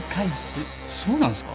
えっそうなんすか？